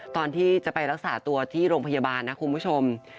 ตอนที่จะไปรักษาตัวที่โรงพยาบาลนะคุณผู้ชม